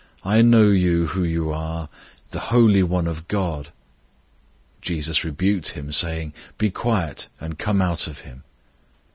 I know you who you are: the Holy One of God!" 001:025 Jesus rebuked him, saying, "Be quiet, and come out of him!"